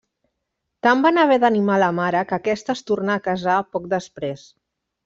Tant van haver d'animar la mare que aquesta es tornà a casar poc després.